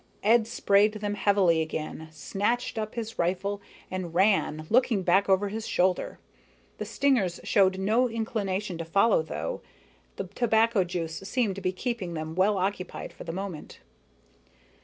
Ed sprayed them heavily again, snatched up his rifle, and ran, looking back over his shoulder. The stingers showed no inclination to follow, though, the tobacco juice seemed to be keeping them well occupied for the moment.